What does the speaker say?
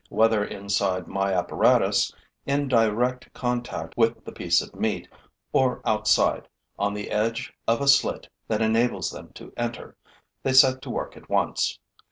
Whether inside my apparatus, in direct contact with the piece of meat, or outside, on the edge of a slit that enables them to enter, they set to work at once.